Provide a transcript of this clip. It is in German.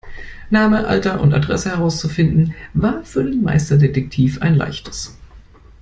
Name, Alter und Adresse herauszufinden, war für den Meisterdetektiv ein Leichtes.